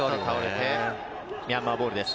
ミャンマーボールです。